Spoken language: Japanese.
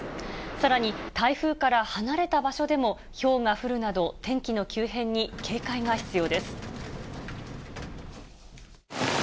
さらに、台風から離れた場所でもひょうが降るなど、天気の急変に警戒が必要です。